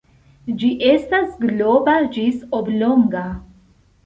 Ĝi estas globa ĝis oblonga.